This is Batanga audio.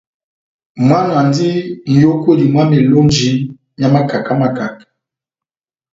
Mwana andi n'yókwedi mwá melonji mia makaka makaka.